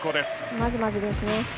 まずまずですね。